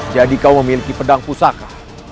jadi kau memiliki pedang pusaka